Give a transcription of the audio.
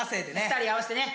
２人合わしてね。